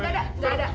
enggak enggak enggak